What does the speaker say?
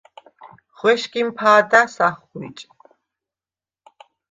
ღუ̂ეშგიმ ფა̄და̈ს ახღუ̂იჭ.